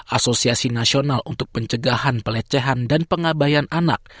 asosiasi nasional untuk pencegahan pelecehan dan pengabayan anak